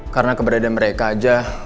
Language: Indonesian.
karena keberadaan mereka aja